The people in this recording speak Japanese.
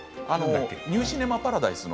「ニュー・シネマ・パラダイス」の。